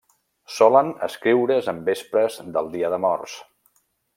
Solen escriure's en vespres del Dia de Morts.